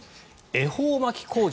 恵方巻き工場。